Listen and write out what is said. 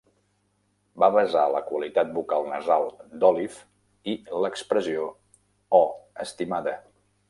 Va basar la qualitat vocal nasal d'Olive i l'expressió "Oh, estimada!"